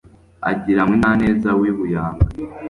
Agira Munyaneza wi Buyaga